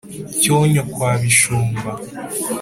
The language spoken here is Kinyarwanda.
Cyonyo kwa Bishumba :